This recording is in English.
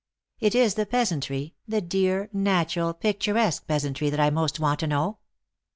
" It is the peasantry, the dear, natural, picturesque peasantry that I most want to know."